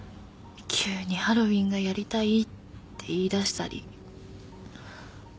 急にハロウィーンがやりたいって言いだしたり。